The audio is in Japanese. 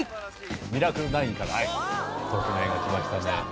『ミラクル９』から特命が来ましたね。